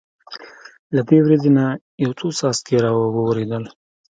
له دې وریځې نه یو څو څاڅکي را وورېدل.